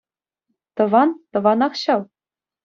Тӑван тӑванах ҫав.